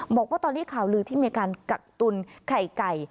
บอกว่าตอนนี้ข่าวลือที่มีการกักตุนไข่ไก่